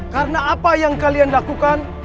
karena apa yang kalian lakukan